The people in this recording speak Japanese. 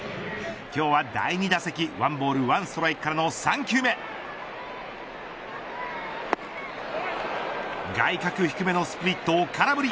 今日は第２打席１ボール１ストライクからの３球目外角低めのスプリットを空振り。